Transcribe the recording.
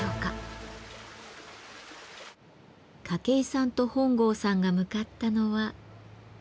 筧さんと本郷さんが向かったのは。